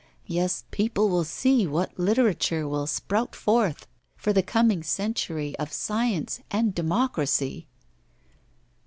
Yes, people will see what literature will sprout forth for the coming century of science and democracy.